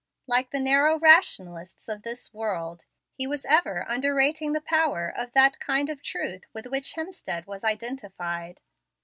Like the narrow rationalists of this world, he was ever underrating the power of that kind of truth with which Hemstead was identified.